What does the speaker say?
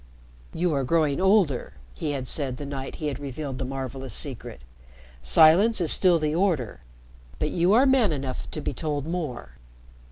"You are growing older," he had said the night he had revealed the marvelous secret. "Silence is still the order, but you are man enough to be told more."